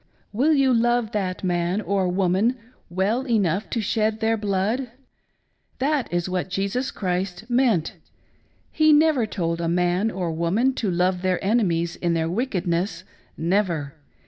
Will you love that man or woman well enough to shed their blood ? That is what Jesus Christ meant. He never told a man or woman to love their enemies in their wickedness, never.